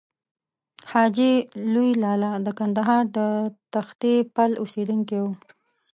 حاجي لوی لالا د کندهار د تختې پل اوسېدونکی و.